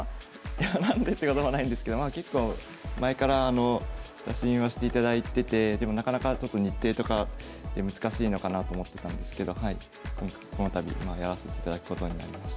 いや何でってこともないんですけど結構前から打診はしていただいててでもなかなかちょっと日程とかで難しいのかなと思ってたんですけどこの度まあやらせていただくことになりました。